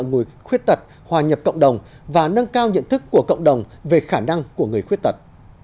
người khuyết tật hòa nhập cộng đồng và nâng cao nhận thức của cộng đồng về khả năng của người khuyết tật